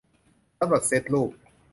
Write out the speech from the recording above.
สำหรับเซ็ตรูป